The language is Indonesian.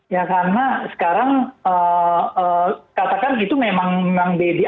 ya karena sekarang katakan gitu memang baby